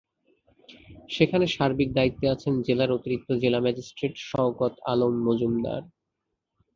সেখানে সার্বিক দায়িত্বে আছেন জেলার অতিরিক্ত জেলা ম্যাজিস্ট্রেট শওকত আলম মজুমদার।